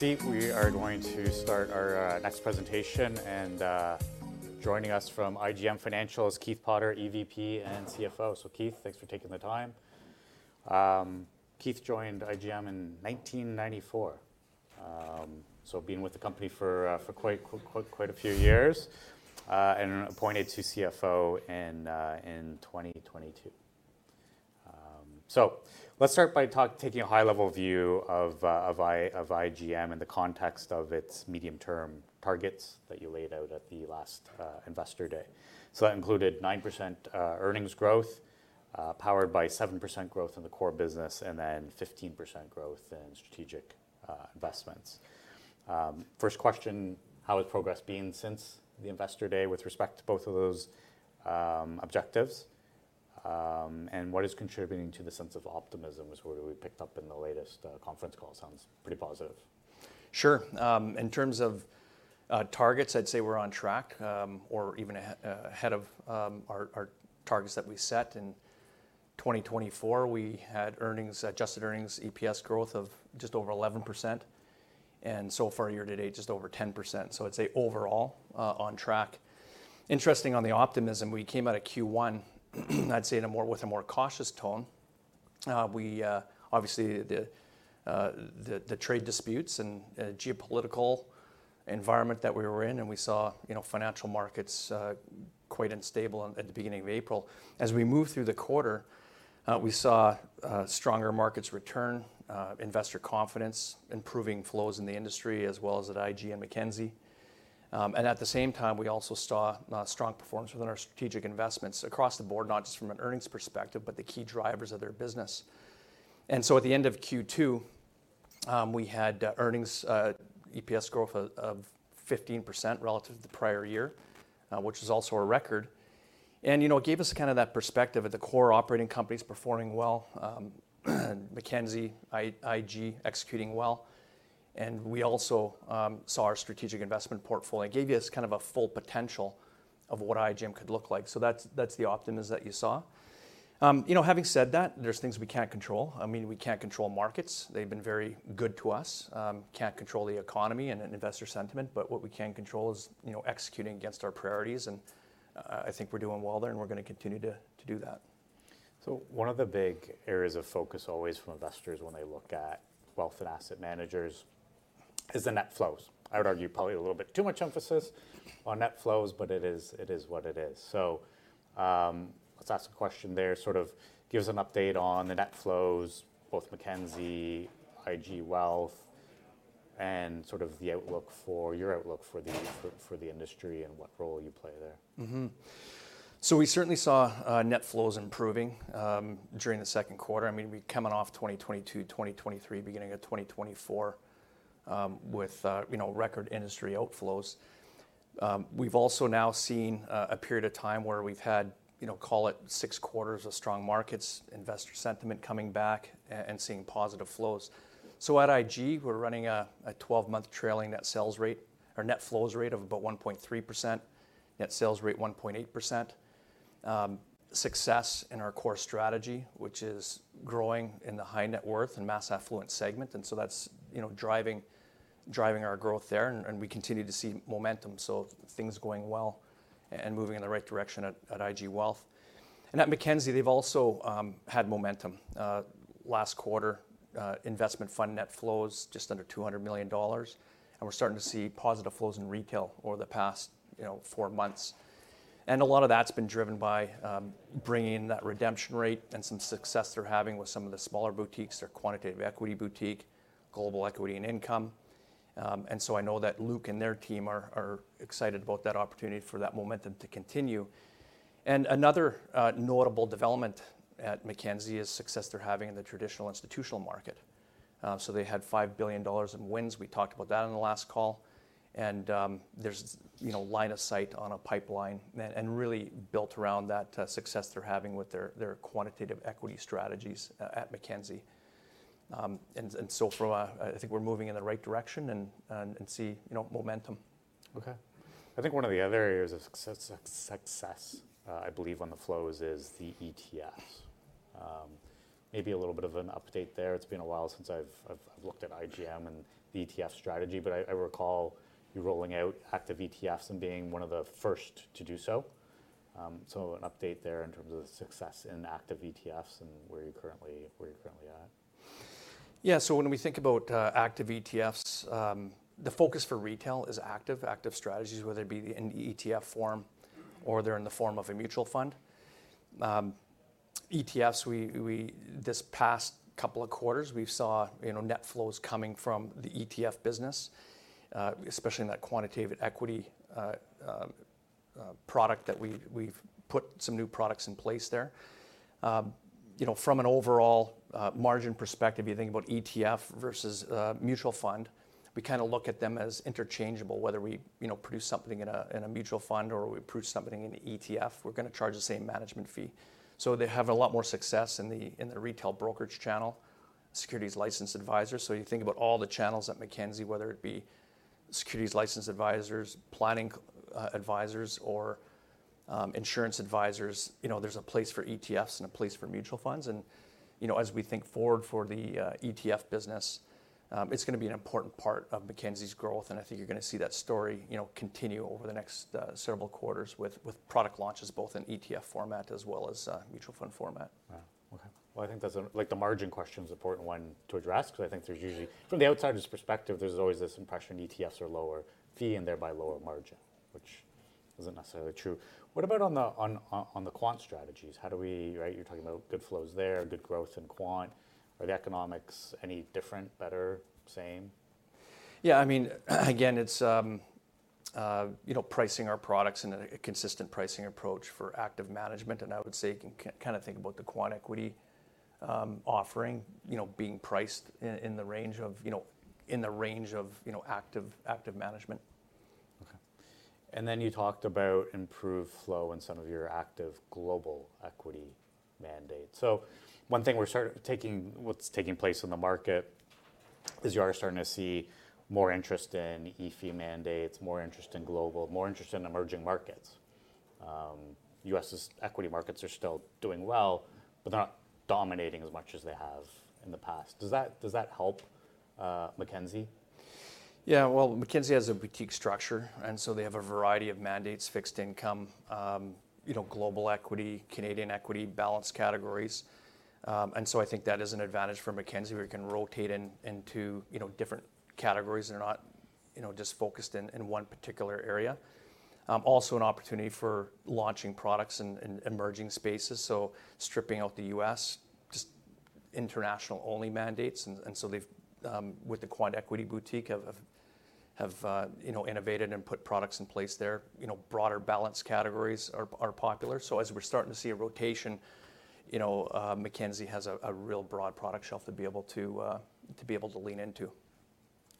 We are going to start our next presentation. And joining us from IGM Financial is Keith Potter, EVP and CFO. So Keith, thanks for taking the time. Keith joined IGM in 1994, so being with the company for quite a few years, and appointed to CFO in 2022. So let's start by taking a high-level view of IGM in the context of its medium-term targets that you laid out at the last Investor Day. So that included 9% earnings growth, powered by 7% growth in the core business, and then 15% growth in strategic investments. First question, how has progress been since the Investor Day with respect to both of those objectives? And what is contributing to the sense of optimism is what we picked up in the latest conference call. Sounds pretty positive. Sure. In terms of targets, I'd say we're on track or even ahead of our targets that we set in 2024. We had adjusted earnings EPS growth of just over 11%, and so far year to date, just over 10%, so I'd say overall on track. Interesting on the optimism, we came out of Q1, I'd say, with a more cautious tone. Obviously, the trade disputes and geopolitical environment that we were in, and we saw financial markets quite unstable at the beginning of April. As we moved through the quarter, we saw stronger markets return, investor confidence, improving flows in the industry, as well as at IG and Mackenzie. And at the same time, we also saw strong performance within our strategic investments across the board, not just from an earnings perspective, but the key drivers of their business. At the end of Q2, we had earnings EPS growth of 15% relative to the prior year, which was also a record. It gave us kind of that perspective of the core operating companies performing well, Mackenzie, IG executing well. We also saw our strategic investment portfolio gave us kind of a full potential of what IGM could look like. That's the optimism that you saw. Having said that, there's things we can't control. I mean, we can't control markets. They've been very good to us. Can't control the economy and investor sentiment. But what we can control is executing against our priorities. I think we're doing well there, and we're going to continue to do that. One of the big areas of focus always from investors when they look at wealth and asset managers is the net flows. I would argue probably a little bit too much emphasis on net flows, but it is what it is. Let's ask a question there. Sort of give us an update on the net flows, both Mackenzie, IG Wealth, and sort of the outlook for your outlook for the industry and what role you play there. So we certainly saw net flows improving during the second quarter. I mean, we're coming off 2022, 2023, beginning of 2024 with record industry outflows. We've also now seen a period of time where we've had, call it six quarters of strong markets, investor sentiment coming back, and seeing positive flows. So at IG, we're running a 12-month trailing net sales rate or net flows rate of about 1.3%, net sales rate 1.8%. Success in our core strategy, which is growing in the high net worth and mass affluent segment. And so that's driving our growth there. And we continue to see momentum. So things going well and moving in the right direction at IG Wealth. And at Mackenzie, they've also had momentum. Last quarter, investment fund net flows just under $200 million. And we're starting to see positive flows in retail over the past four months. A lot of that's been driven by bringing that redemption rate and some success they're having with some of the smaller boutiques, their quantitative equity boutique, global equity and income. So I know that Luke and their team are excited about that opportunity for that momentum to continue. Another notable development at Mackenzie is success they're having in the traditional institutional market. They had $5 billion in wins. We talked about that on the last call. There's line of sight on a pipeline and really built around that success they're having with their quantitative equity strategies at Mackenzie. So I think we're moving in the right direction and see momentum. Okay. I think one of the other areas of success, I believe on the flows, is the ETFs. Maybe a little bit of an update there. It's been a while since I've looked at IGM and the ETF strategy. But I recall you rolling out active ETFs and being one of the first to do so. So an update there in terms of success in active ETFs and where you're currently at. Yeah. So when we think about active ETFs, the focus for retail is active, active strategies, whether it be in ETF form or they're in the form of a mutual fund. ETFs, this past couple of quarters, we saw net flows coming from the ETF business, especially in that quantitative equity product that we've put some new products in place there. From an overall margin perspective, you think about ETF versus mutual fund, we kind of look at them as interchangeable. Whether we produce something in a mutual fund or we produce something in an ETF, we're going to charge the same management fee. So they have a lot more success in the retail brokerage channel, securities licensed advisors. So you think about all the channels at Mackenzie, whether it be securities licensed advisors, planning advisors, or insurance advisors, there's a place for ETFs and a place for mutual funds. As we think forward for the ETF business, it's going to be an important part of Mackenzie's growth. I think you're going to see that story continue over the next several quarters with product launches, both in ETF format as well as mutual fund format. Wow. Okay. Well, I think the margin question is an important one to address because I think there's usually, from the outsider's perspective, there's always this impression ETFs are lower fee and thereby lower margin, which isn't necessarily true. What about on the quant strategies? You're talking about good flows there, good growth in quant. Are the economics any different, better, same? Yeah. I mean, again, it's pricing our products and a consistent pricing approach for active management. And I would say you can kind of think about the quant equity offering being priced in the range of active management. Okay. And then you talked about improved flow in some of your active global equity mandates. So one thing we're taking what's taking place in the market is you are starting to see more interest in ETF mandates, more interest in global, more interest in emerging markets. U.S. equity markets are still doing well, but they're not dominating as much as they have in the past. Does that help Mackenzie? Yeah. Well, Mackenzie has a boutique structure. And so they have a variety of mandates, fixed income, global equity, Canadian equity, balanced categories. And so I think that is an advantage for Mackenzie where you can rotate into different categories and are not just focused in one particular area. Also an opportunity for launching products in emerging spaces. So stripping out the US, just international only mandates. And so with the quant equity boutique, have innovated and put products in place there. Broader balanced categories are popular. So as we're starting to see a rotation, Mackenzie has a real broad product shelf to be able to lean into.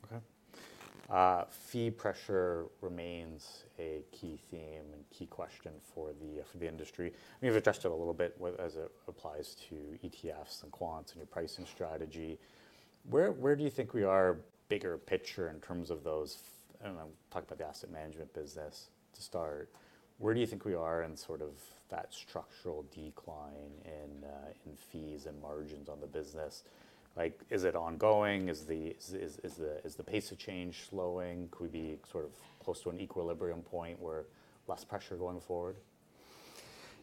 Okay. Fee pressure remains a key theme and key question for the industry. We've addressed it a little bit as it applies to ETFs and quants and your pricing strategy. Where do you think we are bigger picture in terms of those? And I'll talk about the asset management business to start. Where do you think we are in sort of that structural decline in fees and margins on the business? Is it ongoing? Is the pace of change slowing? Could we be sort of close to an equilibrium point where less pressure going forward?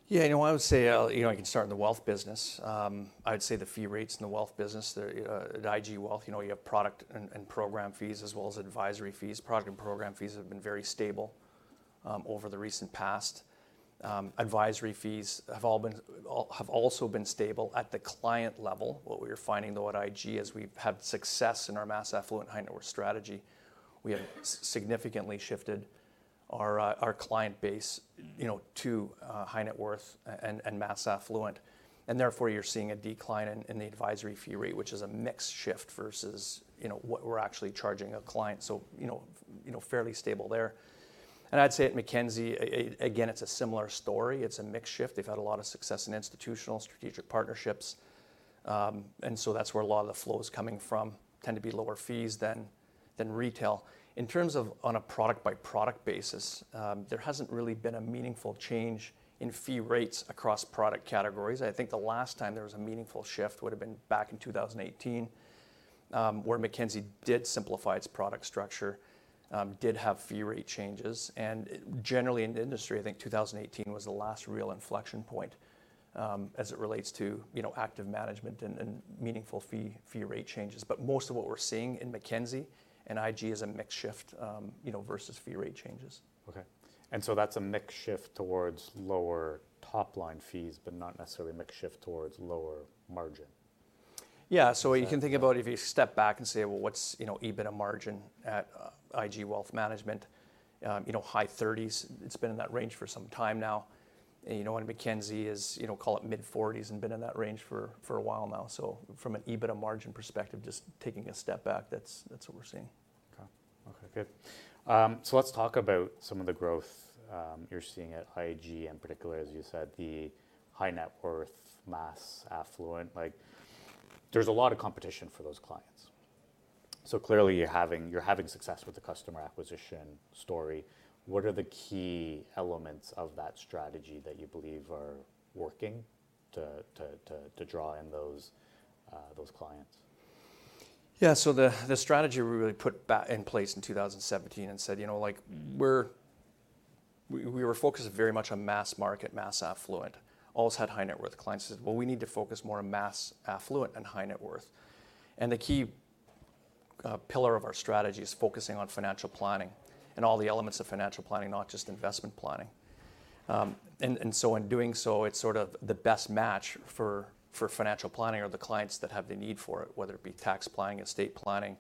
Yeah. You know, I would say I can start in the wealth business. I would say the fee rates in the wealth business at IG Wealth, you have product and program fees as well as advisory fees. Product and program fees have been very stable over the recent past. Advisory fees have also been stable. At the client level, what we are finding though at IG, as we've had success in our mass affluent high net worth strategy, we have significantly shifted our client base to high net worth and mass affluent. And therefore, you're seeing a decline in the advisory fee rate, which is a mixed shift versus what we're actually charging a client. So fairly stable there. And I'd say at Mackenzie, again, it's a similar story. It's a mixed shift. They've had a lot of success in institutional strategic partnerships. And so that's where a lot of the flow is coming from, tend to be lower fees than retail. In terms of on a product-by-product basis, there hasn't really been a meaningful change in fee rates across product categories. I think the last time there was a meaningful shift would have been back in 2018, where Mackenzie did simplify its product structure, did have fee rate changes. And generally in the industry, I think 2018 was the last real inflection point as it relates to active management and meaningful fee rate changes. But most of what we're seeing in Mackenzie and IG is a mixed shift versus fee rate changes. Okay. And so that's a mixed shift towards lower top-line fees, but not necessarily a mixed shift towards lower margin. Yeah. So you can think about if you step back and say, well, what's EBITDA margin at IG Wealth Management? High 30s. It's been in that range for some time now. And Mackenzie is, call it mid-40s and been in that range for a while now. So from an EBITDA margin perspective, just taking a step back, that's what we're seeing. Okay. Good. So let's talk about some of the growth you're seeing at IG in particular, as you said, the high net worth, mass affluent. There's a lot of competition for those clients. So clearly you're having success with the customer acquisition story. What are the key elements of that strategy that you believe are working to draw in those clients? Yeah. So the strategy we really put in place in 2017 and said, we were focused very much on mass market, mass affluent. We always had high net worth. Clients said, well, we need to focus more on mass affluent and high net worth. And the key pillar of our strategy is focusing on financial planning and all the elements of financial planning, not just investment planning. And so in doing so, it's sort of the best match for financial planning or the clients that have the need for it, whether it be tax planning, estate planning,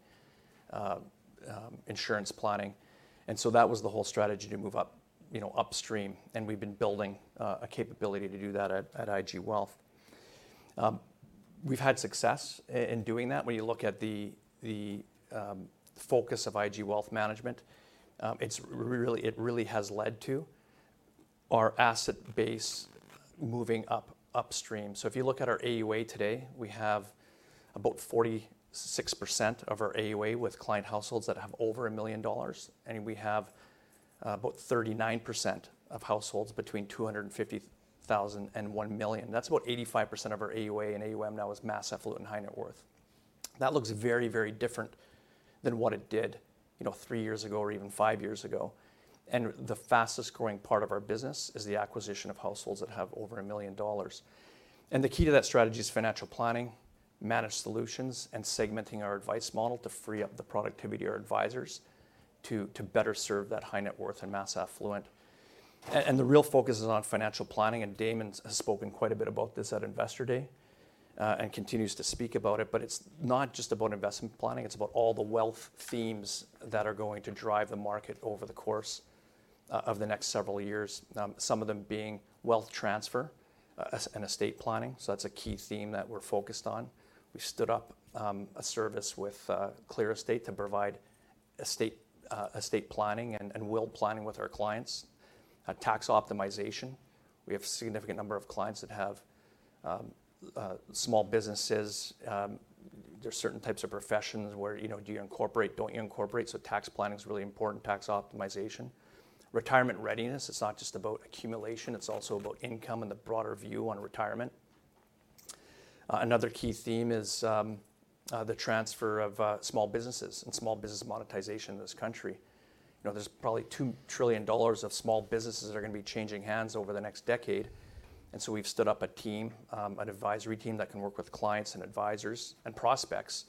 insurance planning. And so that was the whole strategy to move upstream. And we've been building a capability to do that at IG Wealth. We've had success in doing that. When you look at the focus of IG Wealth Management, it really has led to our asset base moving upstream. So if you look at our AUA today, we have about 46% of our AUA with client households that have over a million dollars. And we have about 39% of households between 250,000 and 1 million. That's about 85% of our AUA and AUM now is mass affluent and high net worth. That looks very, very different than what it did three years ago or even five years ago. And the fastest growing part of our business is the acquisition of households that have over a million dollars. And the key to that strategy is financial planning, managed solutions, and segmenting our advice model to free up the productivity of our advisors to better serve that high net worth and mass affluent. And the real focus is on financial planning. And Damon has spoken quite a bit about this at Investor Day and continues to speak about it. But it's not just about investment planning. It's about all the wealth themes that are going to drive the market over the course of the next several years, some of them being wealth transfer and estate planning. So that's a key theme that we're focused on. We stood up a service with ClearEstate to provide estate planning and will planning with our clients, tax optimization. We have a significant number of clients that have small businesses. There are certain types of professions where do you incorporate, don't you incorporate. So tax planning is really important, tax optimization, retirement readiness. It's not just about accumulation. It's also about income and the broader view on retirement. Another key theme is the transfer of small businesses and small business monetization in this country. There's probably $2 trillion of small businesses that are going to be changing hands over the next decade. And so we've stood up a team, an advisory team that can work with clients and advisors and prospects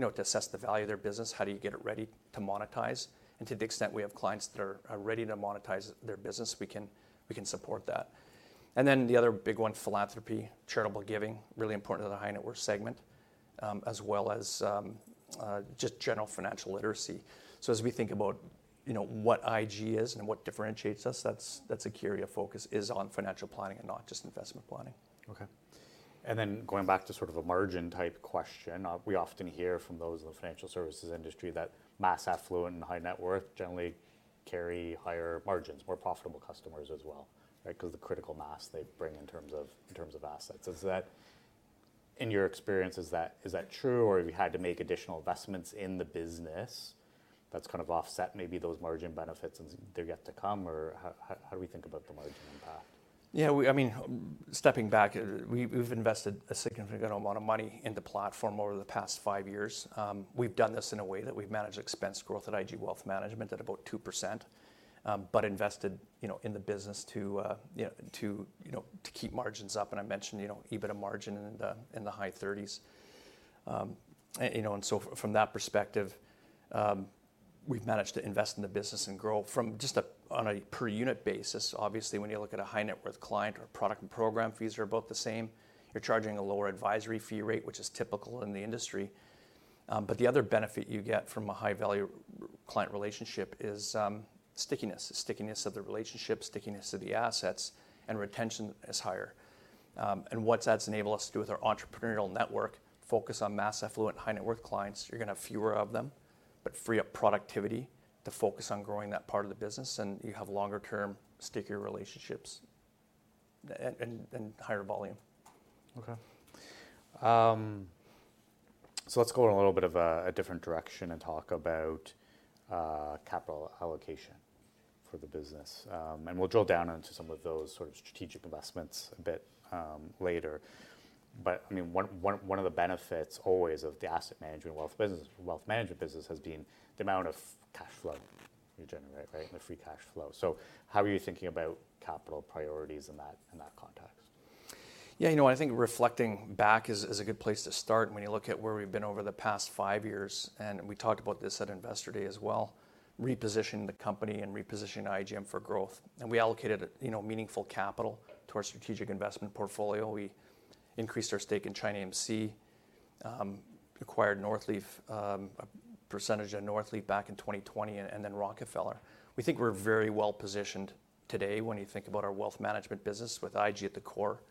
to assess the value of their business. How do you get it ready to monetize? And to the extent we have clients that are ready to monetize their business, we can support that. And then the other big one, philanthropy, charitable giving, really important to the high net worth segment, as well as just general financial literacy. So as we think about what IG is and what differentiates us, that's a key area of focus is on financial planning and not just investment planning. Okay. And then going back to sort of a margin type question, we often hear from those in the financial services industry that mass affluent and high net worth generally carry higher margins, more profitable customers as well, right, because of the critical mass they bring in terms of assets. Is that, in your experience, is that true? Or have you had to make additional investments in the business that's kind of offset maybe those margin benefits and they're yet to come? Or how do we think about the margin impact? Yeah. I mean, stepping back, we've invested a significant amount of money in the platform over the past five years. We've done this in a way that we've managed expense growth at IG Wealth Management at about 2%, but invested in the business to keep margins up. And I mentioned EBITDA margin in the high 30s. And so from that perspective, we've managed to invest in the business and grow from just on a per unit basis. Obviously, when you look at a high net worth client, our product and program fees are about the same. You're charging a lower advisory fee rate, which is typical in the industry. But the other benefit you get from a high value client relationship is stickiness, stickiness of the relationship, stickiness of the assets, and retention is higher. And what's that enable us to do with our entrepreneurial network? Focus on mass affluent, high net worth clients. You're going to have fewer of them, but free up productivity to focus on growing that part of the business, and you have longer-term stickier relationships and higher volume. Okay, so let's go in a little bit of a different direction and talk about capital allocation for the business, and we'll drill down into some of those sort of strategic investments a bit later, but I mean, one of the benefits always of the asset management wealth business, wealth management business has been the amount of cash flow you generate, right, the free cash flow, so how are you thinking about capital priorities in that context? Yeah. You know, I think reflecting back is a good place to start. When you look at where we've been over the past five years, and we talked about this at Investor Day as well, repositioning the company and repositioning IGM for growth, and we allocated meaningful capital to our strategic investment portfolio. We increased our stake in ChinaAMC, acquired Northleaf, a percentage of Northleaf back in 2020, and then Rockefeller. We think we're very well positioned today when you think about our wealth management business with IG at the core,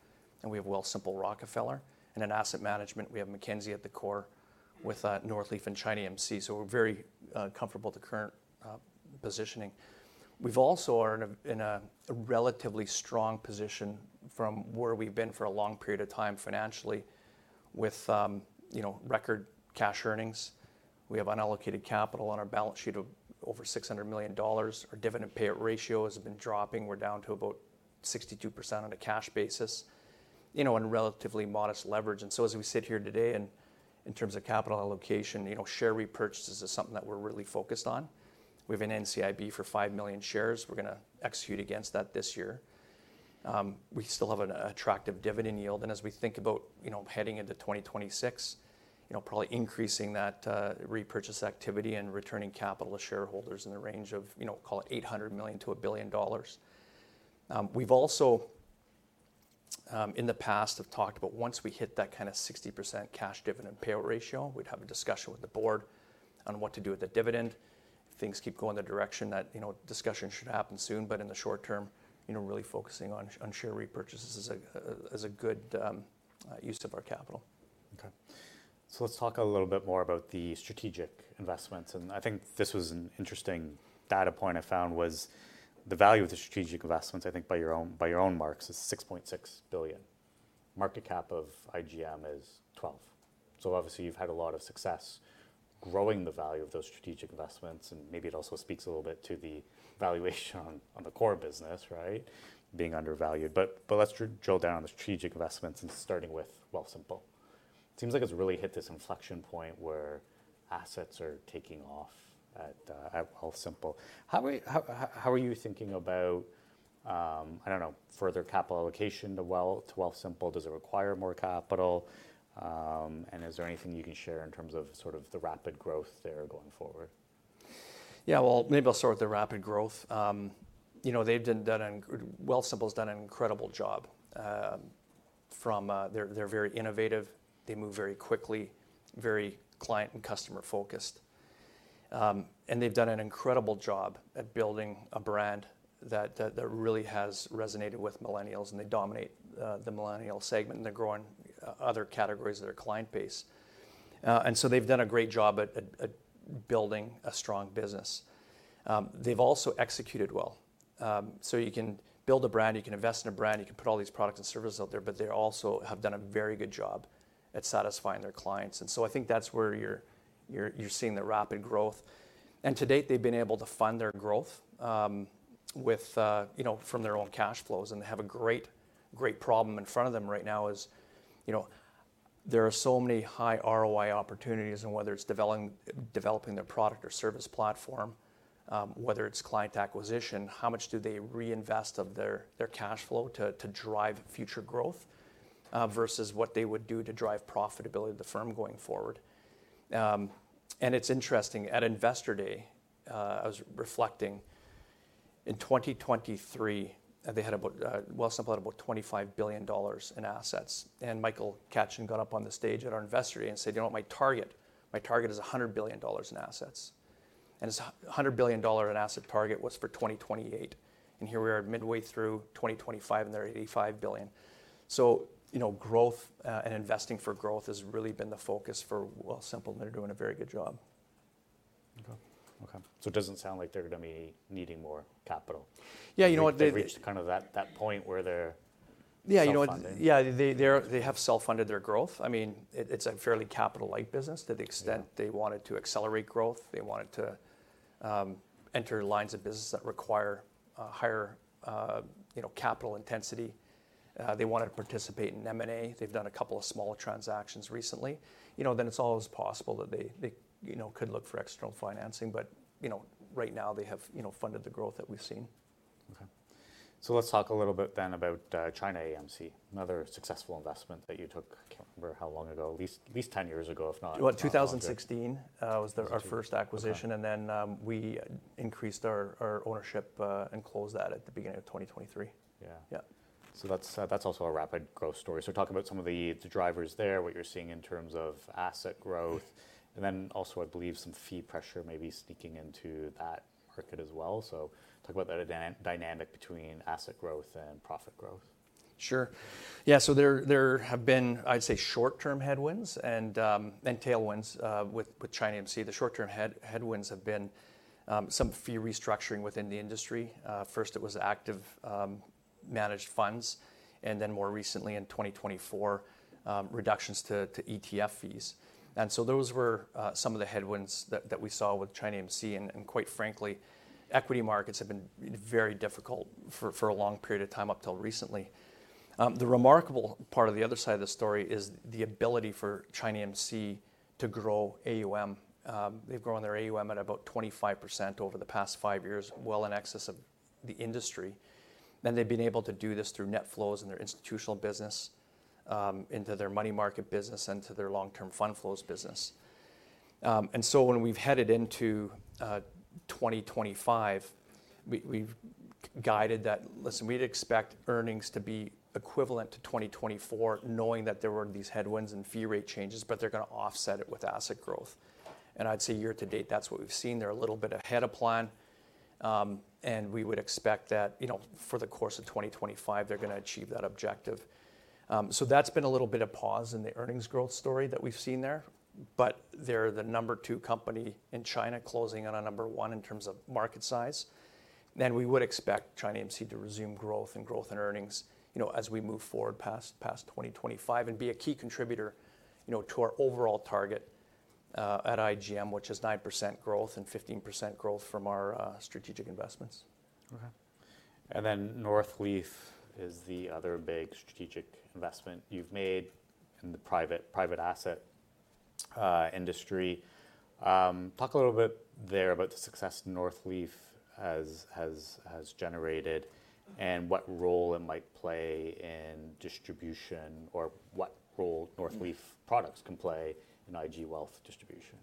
and we have Wealthsimple, Rockefeller, and in asset management, we have Mackenzie at the core with Northleaf and ChinaAMC. So we're very comfortable with the current positioning. We're also in a relatively strong position from where we've been for a long period of time financially with record cash earnings. We have unallocated capital on our balance sheet of over $600 million. Our dividend payout ratio has been dropping. We're down to about 62% on a cash basis on relatively modest leverage. And so as we sit here today and in terms of capital allocation, share repurchase is something that we're really focused on. We have an NCIB for five million shares. We're going to execute against that this year. We still have an attractive dividend yield. And as we think about heading into 2026, probably increasing that repurchase activity and returning capital to shareholders in the range of, call it $800 million-$1 billion. We've also, in the past, have talked about once we hit that kind of 60% cash dividend payout ratio, we'd have a discussion with the board on what to do with the dividend. If things keep going the direction, that discussion should happen soon. But in the short term, really focusing on share repurchases is a good use of our capital. Okay. So let's talk a little bit more about the strategic investments. And I think this was an interesting data point I found was the value of the strategic investments, I think by your own marks, is $6.6 billion. Market cap of IGM is $12 billion. So obviously, you've had a lot of success growing the value of those strategic investments. And maybe it also speaks a little bit to the valuation on the core business, right, being undervalued. But let's drill down on the strategic investments and starting with Wealthsimple. It seems like it's really hit this inflection point where assets are taking off at Wealthsimple. How are you thinking about, I don't know, further capital allocation to Wealthsimple? Does it require more capital? And is there anything you can share in terms of sort of the rapid growth there going forward? Yeah. Well, maybe I'll start with the rapid growth. Wealthsimple has done an incredible job. They're very innovative. They move very quickly, very client and customer focused. And they've done an incredible job at building a brand that really has resonated with millennials. And they dominate the millennial segment. And they're growing other categories of their client base. And so they've done a great job at building a strong business. They've also executed well. So you can build a brand. You can invest in a brand. You can put all these products and services out there. But they also have done a very good job at satisfying their clients. And so I think that's where you're seeing the rapid growth. And to date, they've been able to fund their growth from their own cash flows. They have a great problem in front of them right now. There are so many high ROI opportunities in whether it's developing their product or service platform, whether it's client acquisition, how much do they reinvest of their cash flow to drive future growth versus what they would do to drive profitability of the firm going forward. It is interesting. At Investor Day, I was reflecting in 2023, Wealthsimple had about $25 billion in assets. Michael Katchen got up on the stage at our Investor Day and said, you know what, my target, my target is $100 billion in assets. His $100 billion in asset target was for 2028. Here we are midway through 2025, and they are at $85 billion. Growth and investing for growth has really been the focus for Wealthsimple. They are doing a very good job. Okay. Okay. So it doesn't sound like they're going to be needing more capital. Yeah. You know what. They've reached kind of that point where they're funding. Yeah. You know what? Yeah. They have self-funded their growth. I mean, it's a fairly capital-like business to the extent they wanted to accelerate growth. They wanted to enter lines of business that require higher capital intensity. They wanted to participate in M&A. They've done a couple of small transactions recently. Then it's always possible that they could look for external financing. But right now, they have funded the growth that we've seen. Okay. So let's talk a little bit then about ChinaAMC, another successful investment that you took. I can't remember how long ago, at least 10 years ago, if not. You know what? 2016 was our first acquisition. And then we increased our ownership and closed that at the beginning of 2023. Yeah. So that's also a rapid growth story. So talk about some of the drivers there, what you're seeing in terms of asset growth, and then also, I believe, some fee pressure maybe sneaking into that market as well. So talk about that dynamic between asset growth and profit growth. Sure. Yeah. So there have been, I'd say, short-term headwinds and tailwinds with ChinaAMC. The short-term headwinds have been some fee restructuring within the industry. First, it was active managed funds, and then more recently, in 2024, reductions to ETF fees, and so those were some of the headwinds that we saw with ChinaAMC, and quite frankly, equity markets have been very difficult for a long period of time up until recently. The remarkable part of the other side of the story is the ability for ChinaAMC to grow AUM. They've grown their AUM at about 25% over the past five years, well in excess of the industry, and they've been able to do this through net flows in their institutional business, into their money market business, and to their long-term fund flows business. And so when we've headed into 2025, we've guided that, listen, we'd expect earnings to be equivalent to 2024, knowing that there were these headwinds and fee rate changes, but they're going to offset it with asset growth. And I'd say year to date, that's what we've seen. They're a little bit ahead of plan. And we would expect that for the course of 2025, they're going to achieve that objective. So that's been a little bit of pause in the earnings growth story that we've seen there. But they're the number two company in China closing on a number one in terms of market size. And we would expect ChinaAMC to resume growth and growth in earnings as we move forward past 2025 and be a key contributor to our overall target at IGM, which is 9% growth and 15% growth from our strategic investments. Okay. And then Northleaf is the other big strategic investment you've made in the private asset industry. Talk a little bit there about the success Northleaf has generated and what role it might play in distribution or what role Northleaf products can play in IG Wealth distribution.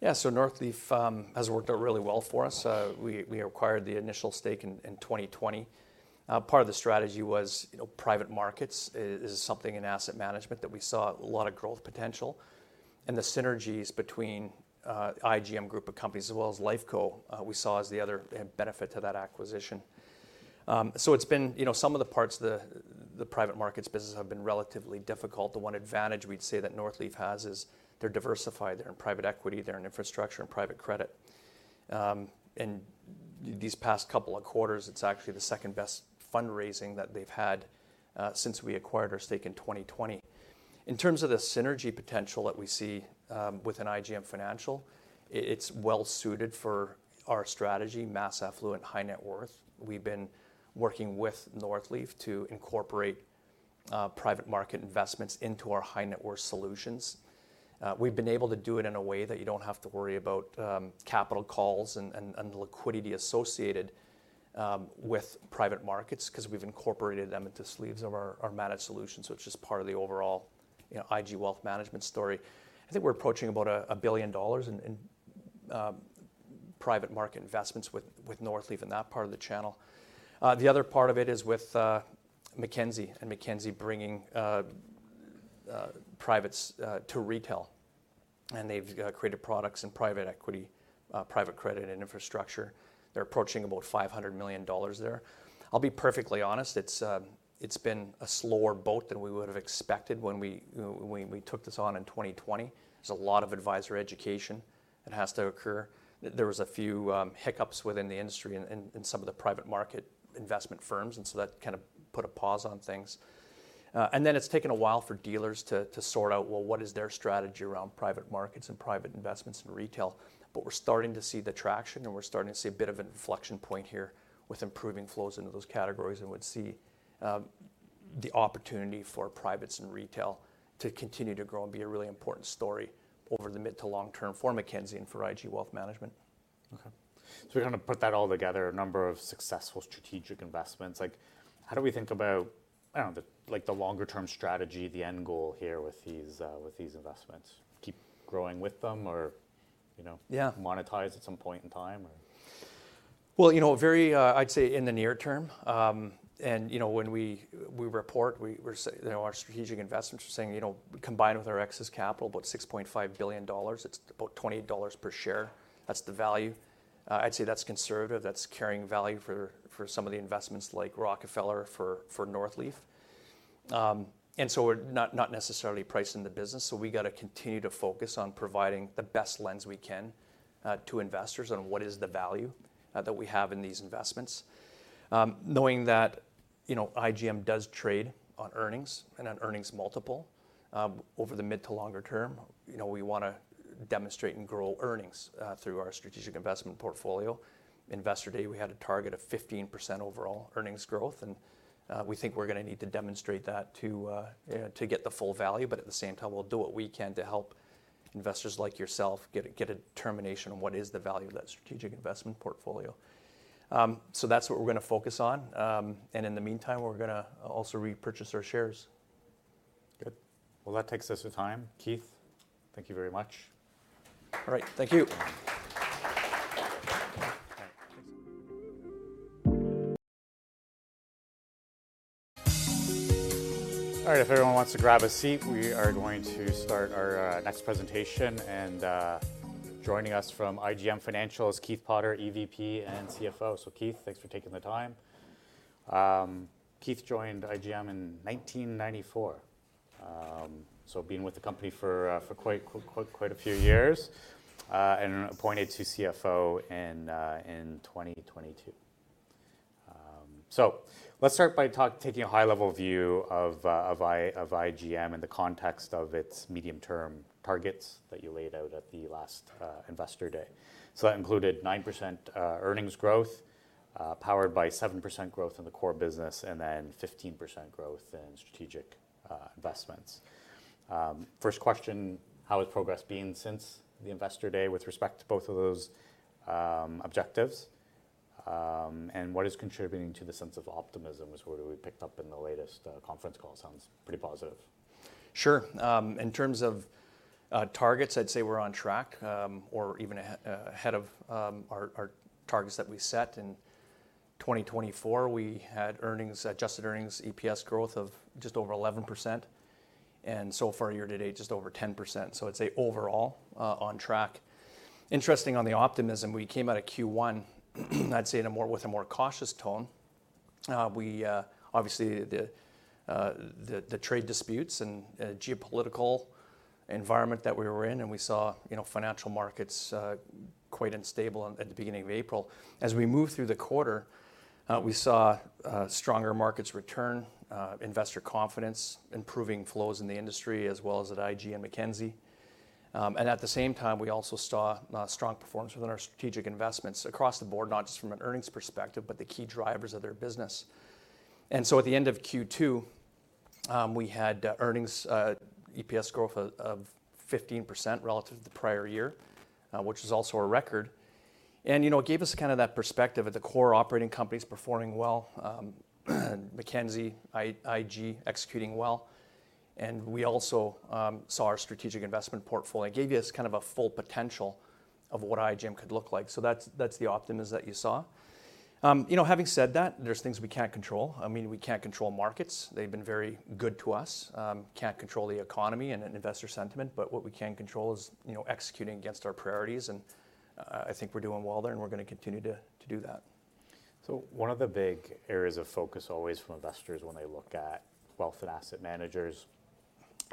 Yeah. So Northleaf has worked out really well for us. We acquired the initial stake in 2020. Part of the strategy was private markets is something in asset management that we saw a lot of growth potential. And the synergies between IGM Group of companies, as well as Lifeco, we saw as the other benefit to that acquisition. So it's been some of the parts of the private markets business have been relatively difficult. The one advantage we'd say that Northleaf has is they're diversified. They're in private equity. They're in infrastructure and private credit. And these past couple of quarters, it's actually the second best fundraising that they've had since we acquired our stake in 2020. In terms of the synergy potential that we see within IGM Financial, it's well suited for our strategy, mass affluent, high net worth. We've been working with Northleaf to incorporate private market investments into our high net worth solutions. We've been able to do it in a way that you don't have to worry about capital calls and the liquidity associated with private markets because we've incorporated them into sleeves of our managed solutions, so it's just part of the overall IG Wealth Management story. I think we're approaching about $1 billion in private market investments with Northleaf in that part of the channel. The other part of it is with Mackenzie, and Mackenzie bringing privates to retail, and they've created products in private equity, private credit, and infrastructure. They're approaching about $500 million there. I'll be perfectly honest. It's been a slower boat than we would have expected when we took this on in 2020. There's a lot of advisor education that has to occur. There were a few hiccups within the industry and some of the private market investment firms, and so that kind of put a pause on things, and then it's taken a while for dealers to sort out, well, what is their strategy around private markets and private investments and retail, but we're starting to see the traction, and we're starting to see a bit of an inflection point here with improving flows into those categories, and we'd see the opportunity for privates and retail to continue to grow and be a really important story over the mid to long term for Mackenzie and for IG Wealth Management. Okay, so we're going to put that all together, a number of successful strategic investments. How do we think about, I don't know, the longer-term strategy, the end goal here with these investments? Keep growing with them or monetize at some point in time? You know, very, I'd say in the near term. And when we report, our strategic investments are saying, combined with our excess capital, $6.5 billion. It's about $28 per share. That's the value. I'd say that's conservative. That's carrying value for some of the investments like Rockefeller for Northleaf. And so we're not necessarily pricing the business. So we got to continue to focus on providing the best lens we can to investors on what is the value that we have in these investments. Knowing that IGM does trade on earnings and an earnings multiple over the mid to longer term, we want to demonstrate and grow earnings through our strategic investment portfolio. Investor Day, we had a target of 15% overall earnings growth. And we think we're going to need to demonstrate that to get the full value. But at the same time, we'll do what we can to help investors like yourself get a determination on what is the value of that strategic investment portfolio. So that's what we're going to focus on. And in the meantime, we're going to also repurchase our shares. Good. Well, that takes us to time. Keith, thank you very much. All right. Thank you. All right. If everyone wants to grab a seat, we are going to start our next presentation. And joining us from IGM Financial is Keith Potter, EVP and CFO. So Keith, thanks for taking the time. Keith joined IGM in 1994, so being with the company for quite a few years and appointed to CFO in 2022. So let's start by taking a high-level view of IGM in the context of its medium-term targets that you laid out at the last Investor Day. So that included 9% earnings growth powered by 7% growth in the core business and then 15% growth in strategic investments. First question, how has progress been since the Investor Day with respect to both of those objectives? And what is contributing to the sense of optimism is what we picked up in the latest conference call. Sounds pretty positive. Sure. In terms of targets, I'd say we're on track or even ahead of our targets that we set. In 2024, we had adjusted earnings, EPS growth of just over 11%. And so far year to date, just over 10%. So I'd say overall on track. Interesting on the optimism, we came out of Q1, I'd say, with a more cautious tone. Obviously, the trade disputes and geopolitical environment that we were in, and we saw financial markets quite unstable at the beginning of April. As we moved through the quarter, we saw stronger markets return, investor confidence, improving flows in the industry, as well as at IG and Mackenzie. And at the same time, we also saw strong performance within our strategic investments across the board, not just from an earnings perspective, but the key drivers of their business. And so at the end of Q2, we had earnings, EPS growth of 15% relative to the prior year, which was also a record. And it gave us kind of that perspective of the core operating companies performing well, Mackenzie, IG executing well. And we also saw our strategic investment portfolio gave us kind of a full potential of what IGM could look like. So that's the optimism that you saw. Having said that, there's things we can't control. I mean, we can't control markets. They've been very good to us. Can't control the economy and investor sentiment. But what we can control is executing against our priorities. And I think we're doing well there. And we're going to continue to do that. One of the big areas of focus always from investors when they look at wealth and asset managers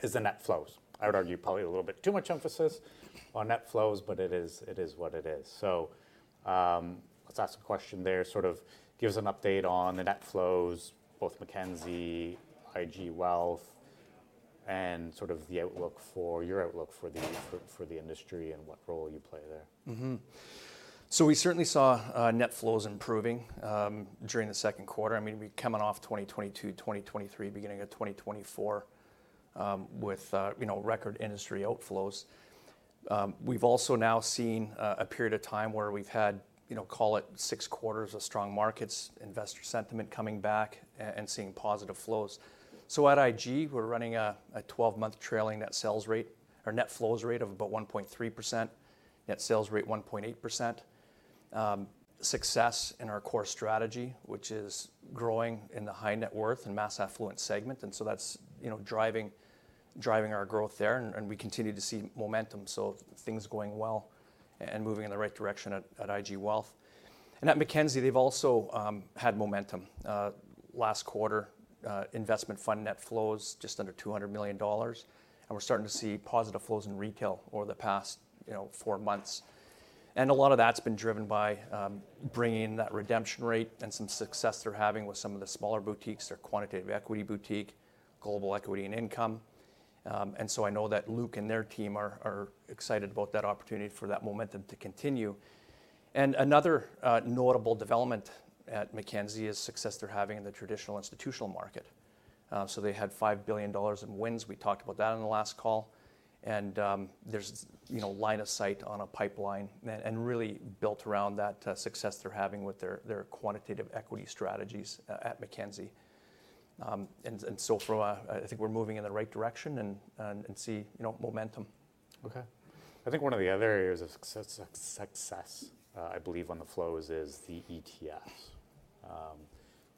is the net flows. I would argue probably a little bit too much emphasis on net flows, but it is what it is. Let's ask a question there. Sort of give us an update on the net flows, both Mackenzie, IG Wealth, and sort of your outlook for the industry and what role you play there. So we certainly saw net flows improving during the second quarter. I mean, we're coming off 2022, 2023, beginning of 2024 with record industry outflows. We've also now seen a period of time where we've had, call it six quarters of strong markets, investor sentiment coming back, and seeing positive flows. So at IG, we're running a 12-month trailing net sales rate or net flows rate of about 1.3%, net sales rate 1.8%. Success in our core strategy, which is growing in the high net worth and mass affluent segment. And so that's driving our growth there. And we continue to see momentum. So things going well and moving in the right direction at IG Wealth. And at Mackenzie, they've also had momentum. Last quarter, investment fund net flows just under $200 million. And we're starting to see positive flows in retail over the past four months. A lot of that's been driven by bringing that redemption rate and some success they're having with some of the smaller boutiques, their quantitative equity boutique, global equity and income. So I know that Luke and their team are excited about that opportunity for that momentum to continue. Another notable development at Mackenzie is success they're having in the traditional institutional market. They had $5 billion in wins. We talked about that on the last call. There's line of sight on a pipeline and really built around that success they're having with their quantitative equity strategies at Mackenzie. So I think we're moving in the right direction and see momentum. Okay. I think one of the other areas of success, I believe on the flows, is the ETFs.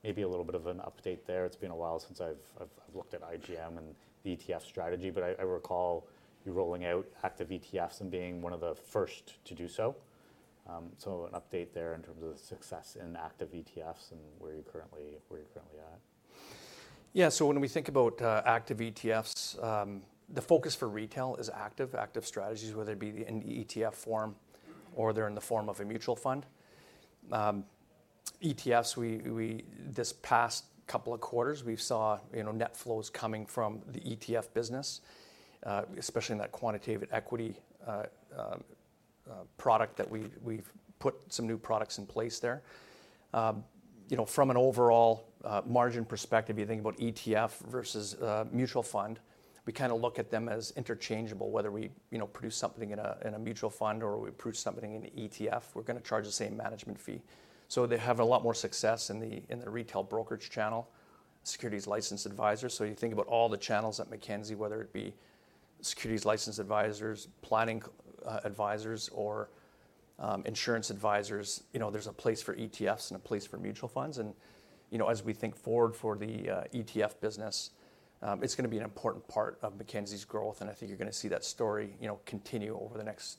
Maybe a little bit of an update there. It's been a while since I've looked at IGM and the ETF strategy. But I recall you rolling out active ETFs and being one of the first to do so. So an update there in terms of success in active ETFs and where you're currently at. Yeah. So when we think about active ETFs, the focus for retail is active, active strategies, whether it be in ETF form or they're in the form of a mutual fund. ETFs, this past couple of quarters, we saw net flows coming from the ETF business, especially in that quantitative equity product that we've put some new products in place there. From an overall margin perspective, you think about ETF versus mutual fund, we kind of look at them as interchangeable. Whether we produce something in a mutual fund or we produce something in an ETF, we're going to charge the same management fee. So they have a lot more success in the retail brokerage channel, securities licensed advisors. So you think about all the channels at Mackenzie, whether it be securities licensed advisors, planning advisors, or insurance advisors, there's a place for ETFs and a place for mutual funds. And as we think forward for the ETF business, it's going to be an important part of Mackenzie's growth. And I think you're going to see that story continue over the next.